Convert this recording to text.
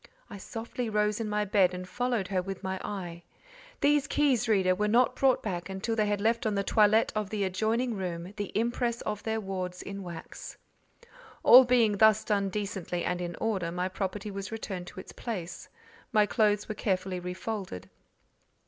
I softly rose in my bed and followed her with my eye: these keys, reader, were not brought back till they had left on the toilet of the adjoining room the impress of their wards in wax. All being thus done decently and in order, my property was returned to its place, my clothes were carefully refolded.